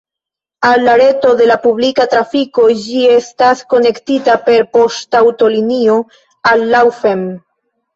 Al la reto de la publika trafiko ĝi estas konektita per poŝtaŭtolinio al Laufen.